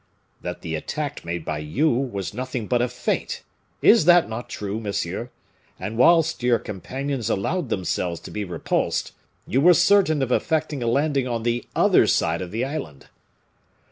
"That the attack made by you was nothing but a feint; is not that true, monsieur? And whilst your companions allowed themselves to be repulsed, you were certain of effecting a landing on the other side of the island."